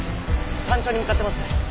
山頂に向かってます。